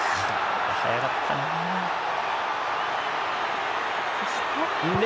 速かったな。